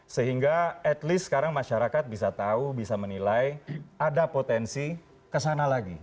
sehingga at least sekarang masyarakat bisa tahu bisa menilai ada potensi kesana lagi